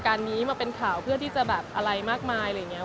การนี้มาเป็นข่าวเพื่อที่จะแบบอะไรมากมายอะไรอย่างนี้